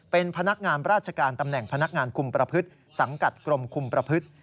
เป็นพนักงานราชการตำแหน่งพนักงานคุมประพฤติสังกัดกรมคุมประพฤติ